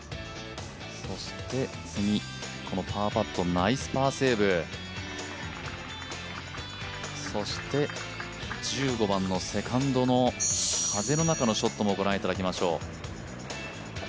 次にパーパット、ナイスパーセーブそして１５番のセカンドの風の中のショットもご覧いただきましょう。